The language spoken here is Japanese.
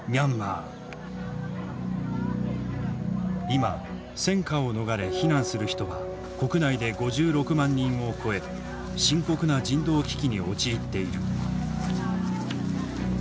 今戦禍を逃れ避難する人は国内で５６万人を超え深刻な人道危機に陥っている。